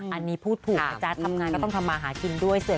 อันนี้พูดถูกนะจ๊ะทำงานก็ต้องทำมาหากินด้วย